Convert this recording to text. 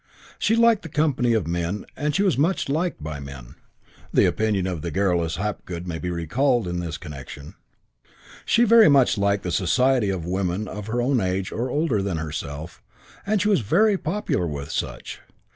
She liked the company of men and she was much liked by men (the opinion of the garrulous Hapgood may be recalled in this connection). She very much liked the society of women of her own age or older than herself, and she was very popular with such.